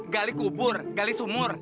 gali kubur gali sumur